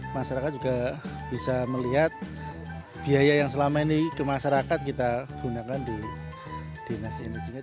masyarakat juga bisa melihat biaya yang selama ini ke masyarakat kita gunakan di dinas ini